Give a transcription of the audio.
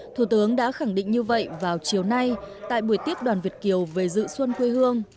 thủ tướng đã khẳng định như vậy vào chiều nay tại buổi tiếp đoàn việt kiều về dự xuân quê hương